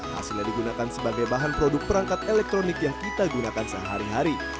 hasilnya digunakan sebagai bahan produk perangkat elektronik yang kita gunakan sehari hari